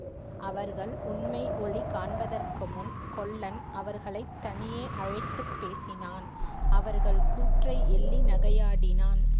அவர்கள் உண்மை ஒளி காண்பதற்குமுன் கொல்லன் அவர்களைத் தனியே அழைத்துப் பேசினான் அவர்கள் கூற்றை எள்ளி நகையாடினான்.